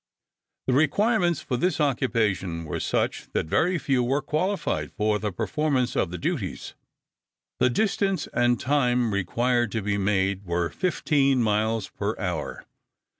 The requirements for this occupation were such that very few were qualified for the performance of the duties. The distance and time required to be made were fifteen miles per hour.